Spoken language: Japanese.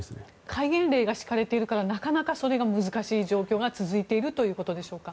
戒厳令が敷かれているからなかなかそれが難しい状況が続いているということでしょうか？